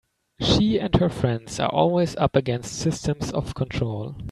She and her friends are always up against systems of control.